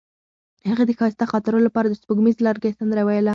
هغې د ښایسته خاطرو لپاره د سپوږمیز لرګی سندره ویله.